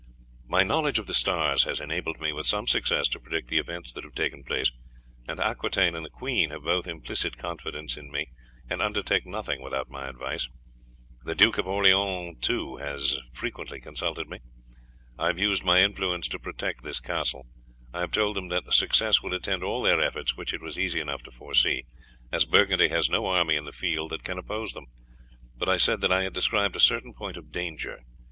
"My knowledge of the stars has enabled me with some success to predict the events that have taken place, and Aquitaine and the queen have both implicit confidence in me and undertake nothing without my advice. The Duke of Orleans, too, has frequently consulted me. I have used my influence to protect this castle. I have told them that success will attend all their efforts, which it was easy enough to foresee, as Burgundy has no army in the field that can oppose them. But I said that I had described a certain point of danger.